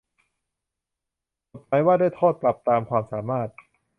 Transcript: กฎหมายว่าด้วยโทษปรับตามความสามารถ